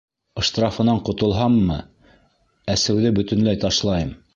Штрафынан ҡотолһаммы, әсеүҙе бөтөнләй ташлайым.